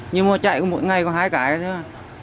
nhưng mà chạy mỗi ngày có hai cái thôi